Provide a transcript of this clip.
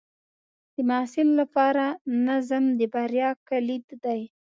د محصل لپاره نظم د بریا کلید دی.